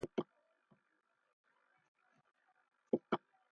موں پوْش کِتانیْ مُلیْ اٹاسُن۔